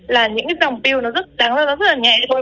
là những cái dòng piu nó rất đáng lẽ rất là nhẹ thôi